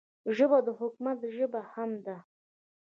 ژبه د حکمت ژبه هم ده